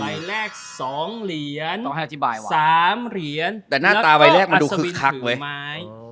ใบแรกสองเหรียญต้องให้อจิบายว่ะสามเหรียญแต่หน้าตาใบแรกมันดูคึกคักเว้ย